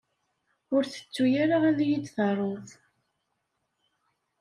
Ur tettuy ara ad yi-d-taruḍ.